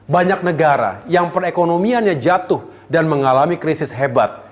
banyak negara yang perekonomiannya jatuh dan mengalami krisis hebat